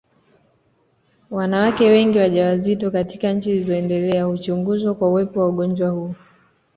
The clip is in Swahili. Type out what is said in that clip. Wanawake wengi wajawazito katika nchi zilizoendelea huchunguzwa kwa uwepo wa ugonjwa huu